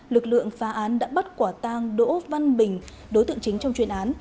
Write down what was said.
lực lượng phá án đã bắt quả tang đỗ văn bình đối tượng chính trong chuyên án